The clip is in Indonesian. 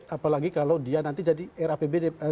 apalagi kalau dia nanti jadi rapbd